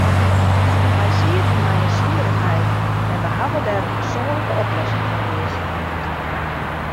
Wy sieten mei in swierrichheid, en wy hawwe dêr in persoanlike oplossing foar keazen.